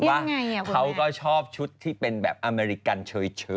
ว่าเขาก็ชอบชุดที่เป็นแบบอเมริกันเฉย